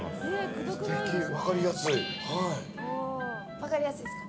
分かりやすいですか？